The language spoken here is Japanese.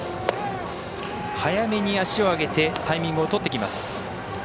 早めに足を上げてタイミングをとってきます。